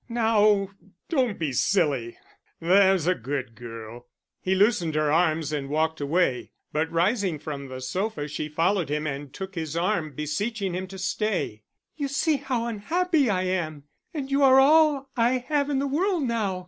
"Now, don't be silly, there's a good girl." He loosened her arms and walked away; but rising from the sofa she followed him and took his arm, beseeching him to stay. "You see how unhappy I am; and you are all I have in the world now.